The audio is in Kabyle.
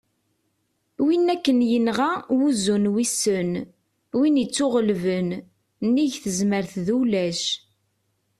win akken yenɣa "wuzzu n wissen", win ittuɣellben : nnig tezmert d ulac